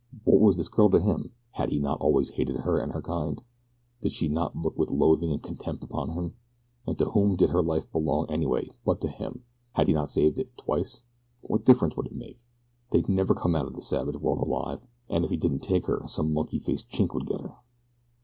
What was this girl to him? Had he not always hated her and her kind? Did she not look with loathing and contempt upon him? And to whom did her life belong anyway but to him had he not saved it twice? What difference would it make? They'd never come out of this savage world alive, and if he didn't take her some monkey faced Chink would get her.